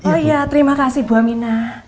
oh iya terima kasih bu amina